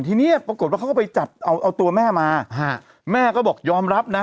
ทีนี้ปรากฏว่าเขาก็ไปจับเอาเอาตัวแม่มาฮะแม่ก็บอกยอมรับนะ